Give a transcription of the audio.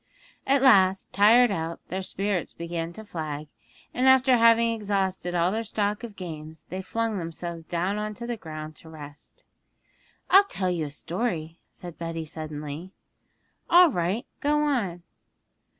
At last, tired out, their spirits began to flag, and after having exhausted all their stock of games they flung themselves down on the ground to rest. 'I'll tell you a story,' said Betty suddenly. 'All right, go on!'